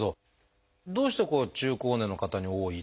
どうして中高年の方に多い？